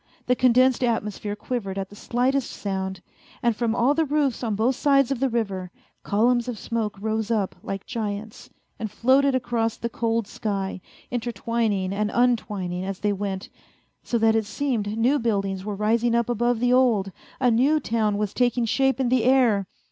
The condensed atmosphere quivered at the slightest sound, and from all the roofs on both sides of the river, columns of smoke rose up like giants and floated across the cold sky, intertwining and untwining as they went, so that it seemed new buildings were rising up above the old, a new town was taking shape in the air.